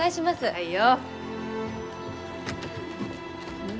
はいよ。